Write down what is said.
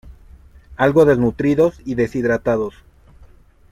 algo desnutridos y deshidratados,